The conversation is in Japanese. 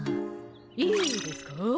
いいですかぁ。